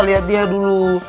lihat dia dulu